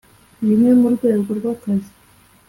rimwe mu rwego rw akazi